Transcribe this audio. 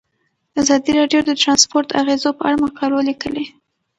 ازادي راډیو د ترانسپورټ د اغیزو په اړه مقالو لیکلي.